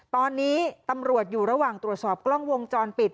ตอนนี้ตำรวจอยู่ระหว่างตรวจสอบกล้องวงจรปิด